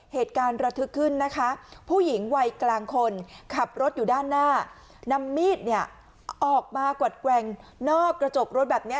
เหตุการณ์ระทึกขึ้นนะคะผู้หญิงวัยกลางคนขับรถอยู่ด้านหน้านำมีดเนี่ยออกมากวัดแกว่งนอกกระจกรถแบบนี้